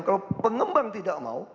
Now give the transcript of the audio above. kalau pengembang tidak mau